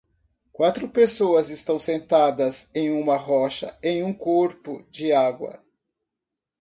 Quatro pessoas estão sentadas em uma rocha em um corpo de água.